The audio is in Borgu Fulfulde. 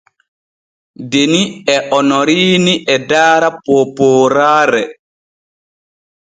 Deni e Onoriini e daara poopooraare.